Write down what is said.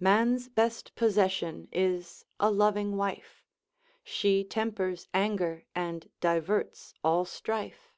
Man's best possession is a loving wife, She tempers anger and diverts all strife.